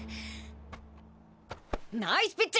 ナイスピッチ！